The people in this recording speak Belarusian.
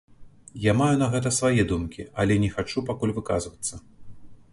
Я маю на гэта свае думкі, але не хачу пакуль выказвацца.